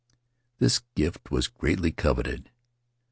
This gift was greatly coveted.